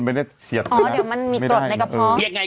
ยังไงก็ไม่ได้